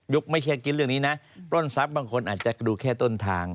ยุคไม่เคลียร์จิตเรื่องนี้นะปล้นทรัพย์บางคนอาจจะดูแค่ต้นทาง